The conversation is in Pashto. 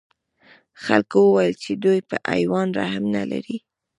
خلکو وویل چې دوی په حیوان رحم نه لري.